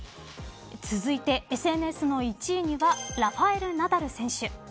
続いて、ＳＮＳの１位にはラファエル・ナダル選手。